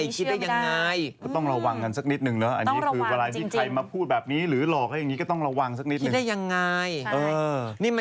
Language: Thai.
คือมันเป็นความอยากสูญบุคคลอ่ะที่อยากจะมีอะไรอย่างเงี้ยไม่